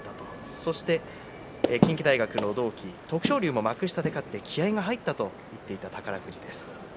そして近畿大学の同期徳勝龍も幕下で勝って気合いが入ったと言っていた宝富士です。